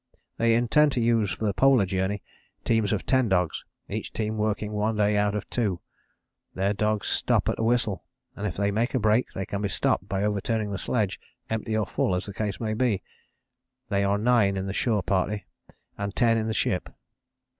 "They intend to use for the Polar Journey teams of ten dogs, each team working one day out of two. Their dogs stop at a whistle, and if they make a break they can be stopped by overturning the sledge, empty or full as the case may be. They are nine in the shore party and ten in the ship.